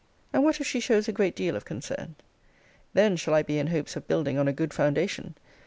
And what if she shows a great deal of concern? Then shall I be in hopes of building on a good foundation.